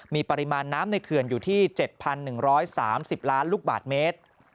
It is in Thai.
มีปริมาณน้ำในเขื่อนอยู่ที่๗๑๓๐ล้านลูกบาทเมตร